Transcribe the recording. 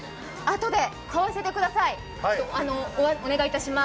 あとで買わせてください。